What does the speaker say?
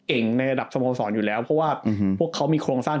ในระดับสโมสรอยู่แล้วเพราะว่าพวกเขามีโครงสร้าง